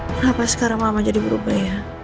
kenapa sekarang mama jadi berubah ya